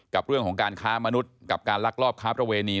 กับเรื่องของการค้ามนุษย์การรักรอบค้าพุทธเวณี